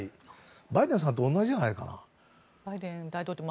バイデンさんと同じじゃないかな。